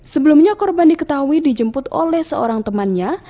sebelumnya korban diketahui dijemput oleh seorang temannya